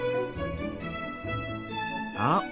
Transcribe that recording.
あっ！